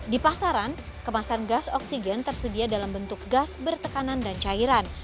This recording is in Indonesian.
di pasaran kemasan gas oksigen tersedia dalam bentuk gas bertekanan dan cairan